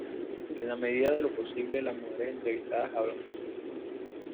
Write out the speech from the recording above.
En la medida de lo posible, las mujeres entrevistadas hablan por sí mismas.